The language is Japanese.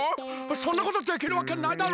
そんなことできるわけないだろ！